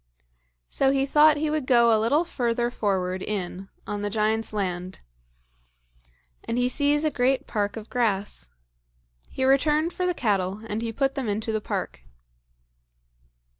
So he thought he would go a little further forward in on the giant's land; and he sees a great park of grass. He returned for the cattle, and he put them into the park.